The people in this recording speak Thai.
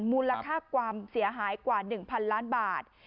มูลค่าความเสียหายกว่า๑๐๐๐ล้านบาท